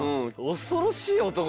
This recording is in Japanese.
おそ恐ろしい男？